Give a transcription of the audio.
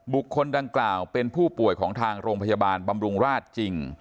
คนดังกล่าวเป็นผู้ป่วยของทางโรงพยาบาลบำรุงราชจริง